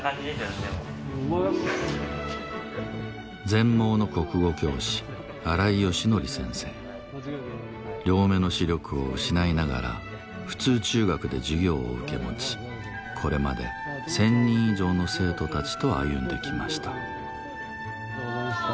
全盲の国語教師両目の視力を失いながら普通中学で授業を受け持ちこれまで１０００人以上の生徒たちと歩んできました。